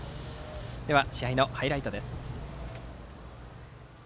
では、試合のハイライトです。